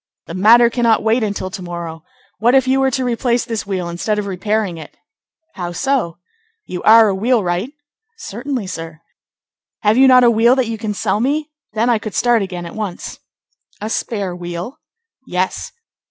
"The matter cannot wait until to morrow. What if you were to replace this wheel instead of repairing it?" "How so?" "You are a wheelwright?" "Certainly, sir." "Have you not a wheel that you can sell me? Then I could start again at once." "A spare wheel?" "Yes."